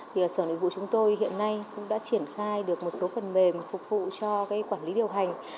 thì sở nội vụ chúng tôi hiện nay cũng đã triển khai được một số phần mềm phục vụ cho quản lý điều hành